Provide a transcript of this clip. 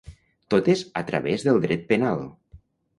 Totes a través del dret penal.